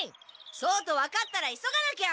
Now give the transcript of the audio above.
そうと分かったら急がなきゃ！